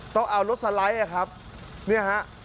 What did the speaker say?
ต้องเอารถสไลด์